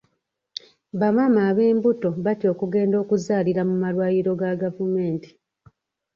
Bamaama ab'embuto batya okugenda okuzaalira mu malwaliro ga gavumenti.